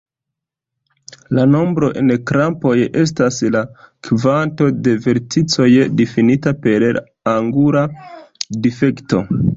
La nombro en krampoj estas la kvanto de verticoj, difinita per la angula difekto.